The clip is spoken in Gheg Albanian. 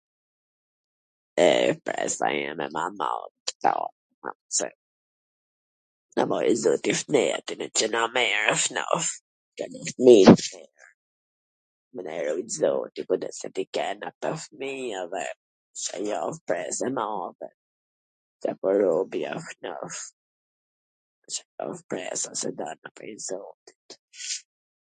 E pres nanjher mer e marr ktu, t na marri zoti shnetin, ne qw na merr shnosh, Na rujt zoti kujdes t'i kena kta fmij, edhe se jan pres e madhe, kur robi asht shnosh, Ca t pres tw dal prej zotit